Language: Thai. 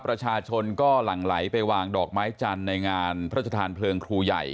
ประชาชนก็หลั่งไหลไปวางดอกไม้จันทร์ในงานพระชธานเพลิงครูใหญ่